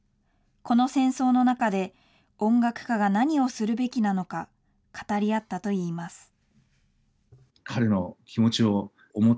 この戦争の中で、音楽家が何をするべきなのか語り合ったといいます。